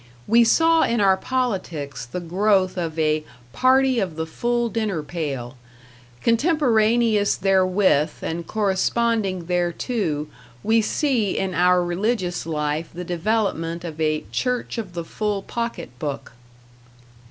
We saw in our politics the growth of a Party of the Full Dinner Pail; contemporaneous therewith, and corresponding thereto, we see in our religious life the development of a Church of the Full Pocket Book.